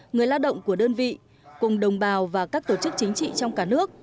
người lao động của đơn vị cùng đồng bào và các tổ chức chính trị trong cả nước